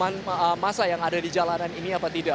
dan mungkin ada konsentrasi masa yang ada di jalanan ini apa tidak